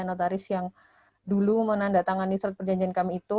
notaris yang dulu menandatangani surat perjanjian kami itu